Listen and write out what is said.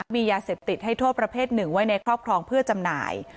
มียาเสพติดให้โทษประเภทหนึ่งไว้ในครอบครองเพื่อจำหน่าย